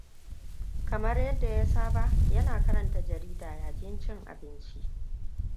Kamar yadda ya saba, yana karanta jarida yayin cin abinci.